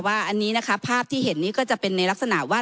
ว่าอันนี้นะคะภาพที่เห็นนี้ก็จะเป็นในลักษณะว่า